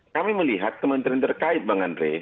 kami melihat kementerian terkait bang andre